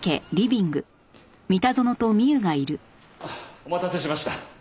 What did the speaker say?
お待たせしました。